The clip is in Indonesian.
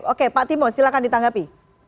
oke pak timo silahkan ditanggapi